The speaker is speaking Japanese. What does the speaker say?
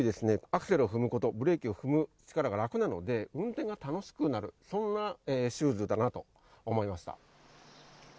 アクセルを踏むことブレーキを踏む力が楽なので運転が楽しくなるそんなシューズかなと思います。